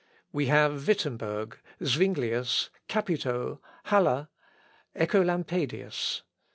We have Wittemberg, Zuinglius, Capito, Haller, Œcolampadius.